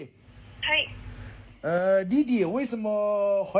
はい？